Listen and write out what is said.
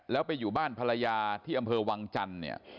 แล้วไปอยู่บ้านภรรยาที่อำเภอวังจันทร์เนี่ย